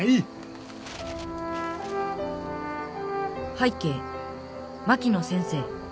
「拝啓槙野先生。